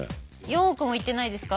４億もいってないですか？